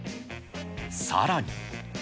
さらに。